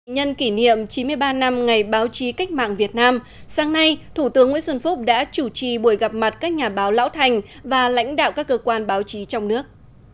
nhân kỷ niệm chín mươi ba năm ngày báo chí cách mạng việt nam sáng nay thủ tướng nguyễn xuân phúc đã chủ trì buổi gặp mặt các nhà báo lão thành và lãnh đạo các cơ quan báo chí trong nước